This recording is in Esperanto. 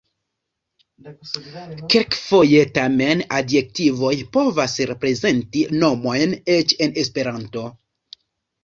Kelkfoje tamen adjektivoj povas reprezenti nomojn, eĉ en Esperanto.